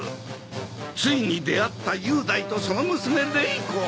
ついに出会った雄大とその娘れい子。